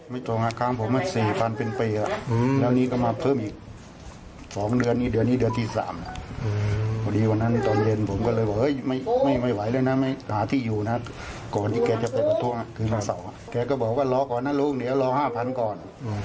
ตรง๕ครั้งผมมา๔๐๐เป็นปีแล้วนี้ก็มาเพิ่มอีก๒เดือนนี้เดือนนี้เดือนที่๓นะพอดีวันนั้นตอนเย็นผมก็เลยบอกเฮ้ยไม่ไหวแล้วนะไม่หาที่อยู่นะก่อนที่แกจะไปประท้วงคืนวันเสาร์แกก็บอกว่ารอก่อนนะลูกเดี๋ยวรอ๕๐๐ก่อน